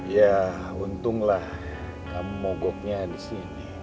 ya untung lah kamu mogoknya disini